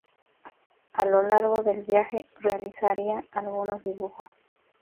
A lo largo del viaje, realizaría algunos dibujos.